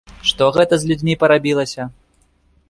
Што гэта з людзьмі парабілася?